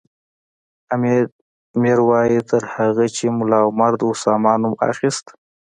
حامد میر وایي تر هغو چې ملا عمر د اسامه نوم اخیست